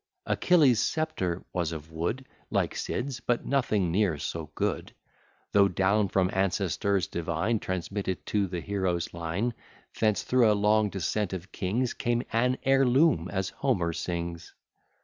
Achilles' sceptre was of wood, Like Sid's, but nothing near so good; Though down from ancestors divine Transmitted to the heroes line; Thence, thro' a long descent of kings, Came an HEIRLOOM, as Homer sings.